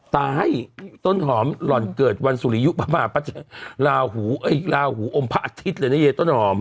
ตายต้นหอมหล่อนเกิดวันสุริยุพระมหาลาหูลาหูอมพระอาทิตย์เลยนะเย้ต้นหอม